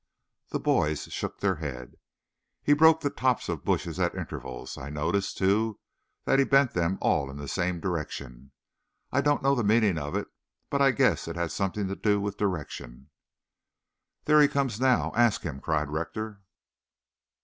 The boys shook their heads. "He broke the tops of bushes at intervals. I noticed, too, that he bent them all in the same direction. I don't know the meaning of it, but I guess it had something to do with direction." "There he comes now. Ask him," cried Rector.